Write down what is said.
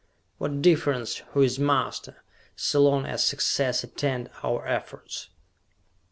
What difference who is master, so long as success attend our efforts?"